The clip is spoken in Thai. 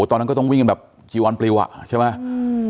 ตอนนั้นก็ต้องวิ่งกันแบบจีวอนปลิวอ่ะใช่ไหม